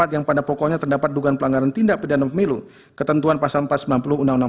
yang pada pokoknya terdapat dugaan pelanggaran tindak pidana pemilu ketentuan pasal empat ratus sembilan puluh undang undang